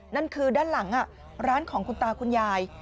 นั่นคือด้านหลังร้านของคุณตาคุณยาย